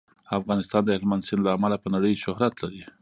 افغانستان د هلمند سیند له امله په نړۍ شهرت لري.